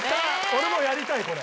俺もやりたいこれ。